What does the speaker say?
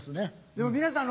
でも皆さん